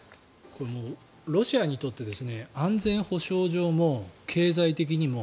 ロシアにとって安全保障上も経済的にも